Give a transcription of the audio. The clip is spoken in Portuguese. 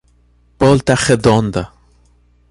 Volta Redonda